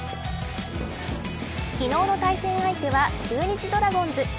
昨日の対戦相手は中日ドラゴンズ。